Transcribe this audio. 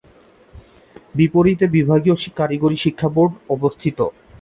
বিপরীতে বিভাগীয় কারিগরি শিক্ষাবোর্ড অবস্থিত।